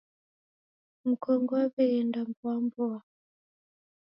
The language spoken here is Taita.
Mkongo waw'eghenda mboa mboa.